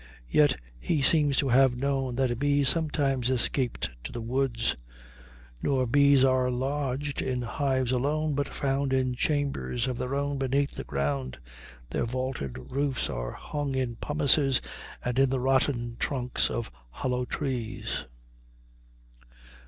Yet he seems to have known that bees sometimes escaped to the woods: "Nor bees are lodged in hives alone, but found In chambers of their own beneath the ground: Their vaulted roofs are hung in pumices, And in the rotten trunks of hollow trees."